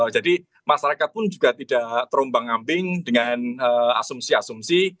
jadi masyarakat pun juga tidak terombak ngambing dengan asumsi asumsi